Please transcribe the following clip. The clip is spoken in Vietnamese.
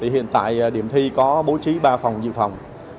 hiện tại điểm thi có bố trí ba phòng dự phòng